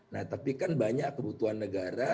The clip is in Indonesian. nah tapi kan banyak kebutuhan negara